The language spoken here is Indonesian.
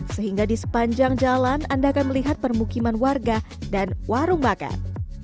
sehingga di sepanjang jalan anda akan melihat permukiman warga dan warung makan